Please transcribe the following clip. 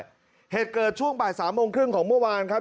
อยู่เมื่อเกิดช่วงบาด๓๓๐ของเมื่อวานครับ